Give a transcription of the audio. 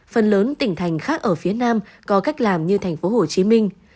phần lớn tỉnh thành khác ở phía nam có cách làm như thành phố hồ chí minh